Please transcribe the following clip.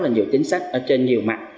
có rất là nhiều chính sách ở trên nhiều mặt